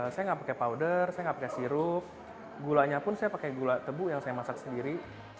saya nggak pakai powder saya nggak pakai sirup gulanya pun saya pakai gula tebu yang saya masak sendiri